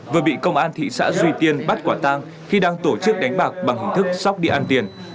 vừa bị công an thị xã duy tiên bắt quả tăng khi đang tổ chức đánh bạc bằng hình thức sóc điện an tiền